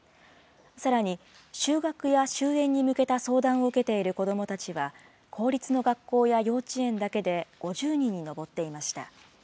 さらに、就学や就園に向けた相談を受けている子どもたちは公立の学校や幼稚園だけで５０人に上っていました。